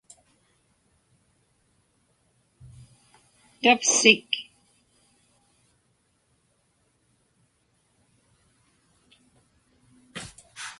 tavsik